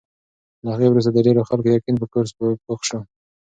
له هغې وروسته د ډېرو خلکو یقین په کورس پوخ شو.